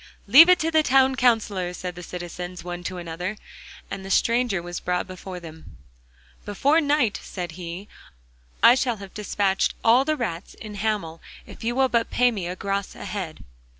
'Leave it to the Town Counsellor,' said the citizens one to another. And the stranger was brought before them. 'Before night,' said he, 'I shall have despatched all the rats in Hamel if you will but pay me a gros a head.